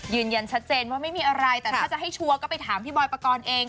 ยืนยันชัดเจนว่าไม่มีอะไรแต่ถ้าจะให้ชัวร์ก็ไปถามพี่บอยปกรณ์เอง